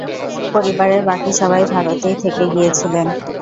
পরিবারের বাকি সবাই ভারতেই থেকে গিয়েছিলেন।